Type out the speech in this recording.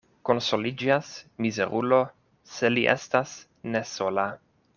Konsoliĝas mizerulo, se li estas ne sola.